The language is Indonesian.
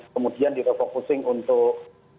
kemudian direfocusing untuk